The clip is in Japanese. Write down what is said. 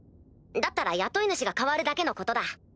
だったら雇い主が替わるだけのことだ。